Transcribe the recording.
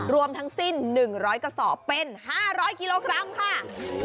รวมทั้งสิ้น๑๐๐กระสอบเป็น๕๐๐กิโลกรัมค่ะ